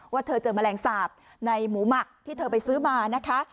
ว่าเธอเจอแมลงสาปในหมูหมักที่เธอไปซื้อมานะคะ